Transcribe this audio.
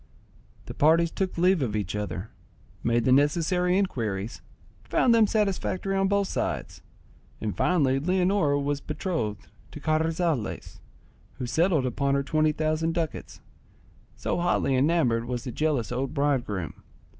The parties took leave of each other, made the necessary inquiries, found them satisfactory on both sides, and finally Leonora was betrothed to Carrizales, who settled upon her twenty thousand ducats, so hotly enamoured was the jealous old bridegroom.